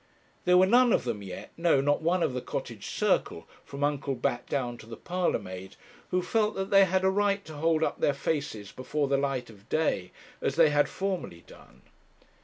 There were none of them yet no, not one of the Cottage circle, from Uncle Bat down to the parlour maid who felt that they had a right to hold up their faces before the light of day as they had formerly done.